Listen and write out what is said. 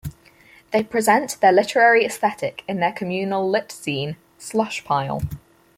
They present their literary aesthetic in their communal lit-zine, "Slush Pile".